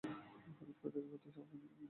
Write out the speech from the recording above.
হটাৎ করে দেখা করতে চাও কেন?